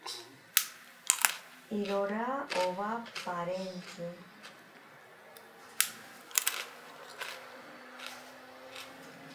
Irora owa parentzi.